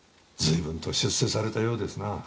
随分と出世されたようですな。